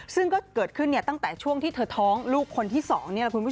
ซึ่งเกิดขึ้นตั้งแต่ช่วงที่เธอท้องลูกคนที่สอง